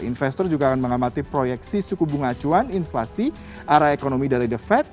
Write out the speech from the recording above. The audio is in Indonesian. investor juga akan mengamati proyeksi suku bunga acuan inflasi arah ekonomi dari the fed